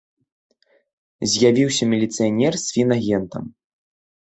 З'явіўся міліцыянер з фінагентам.